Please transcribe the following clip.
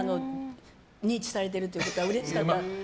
認知されているということはうれしかったですけど。